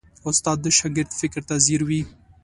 استاد د شاګرد فکر ته ځیر وي.